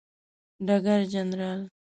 ډګر جنرال